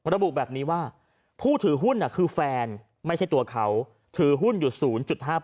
ระบุแบบนี้ว่าผู้ถือหุ้นคือแฟนไม่ใช่ตัวเขาถือหุ้นอยู่๐๕๘